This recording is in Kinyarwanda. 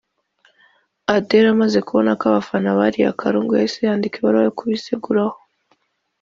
Adele amaze kubona ko abafana bariye karungu yahise yandika ibaruwa yo kubiseguraho